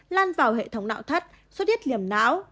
lan vào hệ thống não thắt suốt huyệt liềm não